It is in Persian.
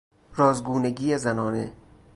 راز گونگی زنانه